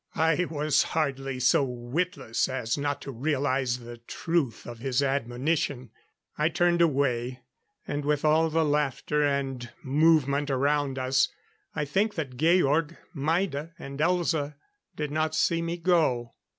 I was hardly so witless as not to realize the truth of his admonition. I turned away; and with all the laughter and movement around us, I think that Georg, Maida and Elza did not see me go.